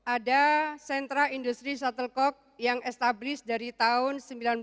ada sentra industri shuttlecock yang established dari tahun seribu sembilan ratus sembilan puluh